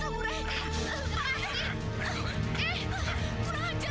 kamu kurang ajar